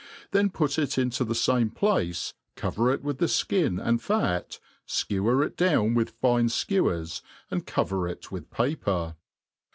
then put it into the fame place, cover it with the fkin and fat, fkewer it down with fine fkewers, and cover it with paper.